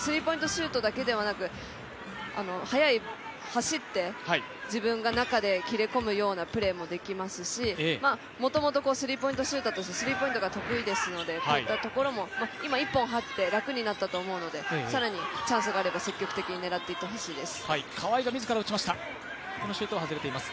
シュートだけではなく、速い、走って、自分が中で切り込むようなプレーもできますので、もともとスリーポイントシューターとして、スリーポイントが得意ですので、こういったところも、今、１本入って楽になったと思うので更にチャンスがあれば積極的に狙っていってほしいです。